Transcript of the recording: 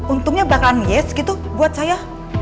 untungnya bakalan yes gitu buat saya